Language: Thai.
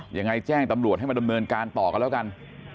ยังไงแจ้งตำรวจให้มาดำเนินการต่อกันแล้วกัน